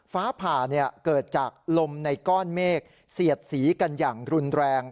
ฟ้าผ่าเกิดจากลมในก้อนเมฆเสียดสีกันอย่างรุนแรง